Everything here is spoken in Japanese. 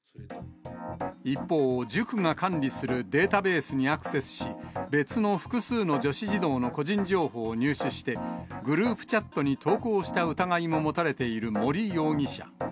一方、塾が管理するデータベースにアクセスし、別の複数の女子児童の個人情報を入手して、グループチャットに投稿した疑いも持たれている森容疑者。